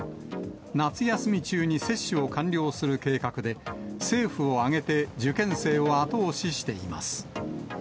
夏休み中に接種を完了する計画で、政府を挙げて受験生を後押ししています。